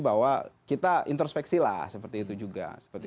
bahwa kita introspeksilah seperti itu juga